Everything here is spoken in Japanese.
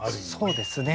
そうですね